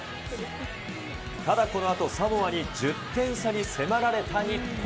ただこのあとサモアに１０点差に迫られた日本。